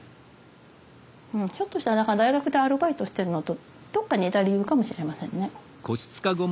ひょっとしたらだから大学でアルバイトしてるのとどっか似た理由かもしれませんね。